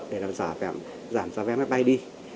để làm giảm giá vé máy bay đi